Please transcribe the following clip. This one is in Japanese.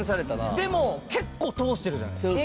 でも結構通してるじゃないですか。